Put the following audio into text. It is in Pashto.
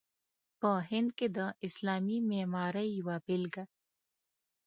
په هند کې د اسلامي معمارۍ یوه بېلګه.